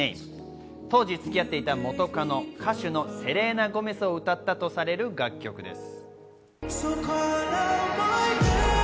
当時、付き合っていた元カノ、歌手のセレーナ・ゴメスを歌ったとされる楽曲です。